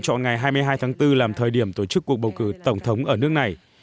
chọn ngày hai mươi hai tháng bốn làm thời điểm tổ chức cuộc bầu cử tổng thống ở nước này